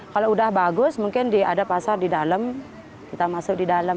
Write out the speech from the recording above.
kalau udah bagus mungkin ada pasar di dalam kita masuk di dalam